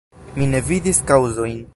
Mi ne vidis kaŭzojn.